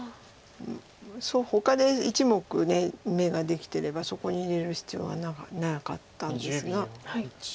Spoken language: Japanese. ほかで１目眼ができてればそこに入れる必要はなかったんですが。